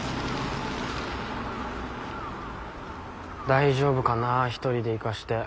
大丈夫かな１人で行かせて。